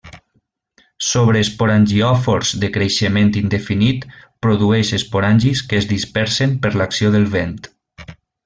Sobre esporangiòfors de creixement indefinit produeix esporangis que es dispersen per l'acció del vent.